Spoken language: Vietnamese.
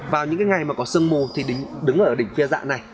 vào những ngày mà có sương mù thì đứng ở đỉnh phía dạ này